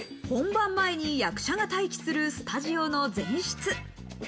本番前に、役者が待機するスタジオの前室。